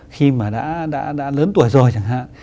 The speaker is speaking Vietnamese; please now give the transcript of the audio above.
khi mà đã lớn tuổi rồi chẳng hạn